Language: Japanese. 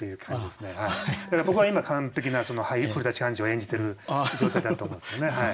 だから僕は今完璧な俳優古寛治を演じてる状態だと思うんですよね。